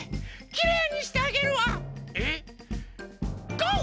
ゴー！